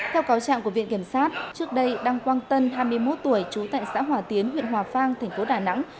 theo cáo trạng của viện kiểm sát trước đây đăng quang tân hai mươi một tuổi trú tại xã hòa tiến huyện hòa vang thành phố đà nẵng